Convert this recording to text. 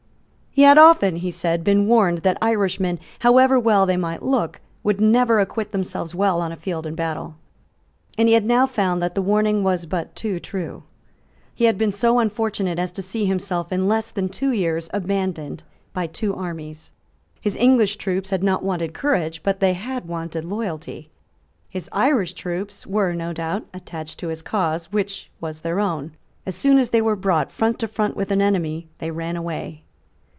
He had often, he said, been warned that Irishmen, however well they might look, would never acquit themselves well on a field of battle; and he had now found that the warning was but too true. He had been so unfortunate as to see himself in less than two years abandoned by two armies. His English troops had not wanted courage; but they had wanted loyalty. His Irish troops were, no doubt, attached to his cause, which was their own. But as soon as they were brought front to front with an enemy, they ran away.